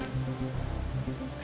selama ini aku punya kekuatan tersembunyi